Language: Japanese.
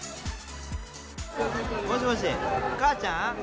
もしもし、母ちゃん？